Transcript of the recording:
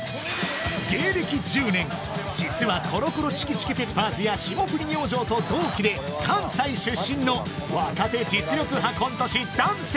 芸歴１０年実はコロコロチキチキペッパーズや霜降り明星と同期で関西出身の若手実力派コント師男性